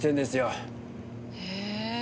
へえ。